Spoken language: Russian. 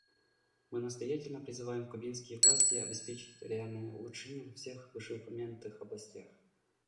Мы настоятельно призываем кубинские власти обеспечить реальное улучшение во всех вышеупомянутых областях.